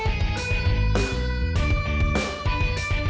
uroh ya tua abah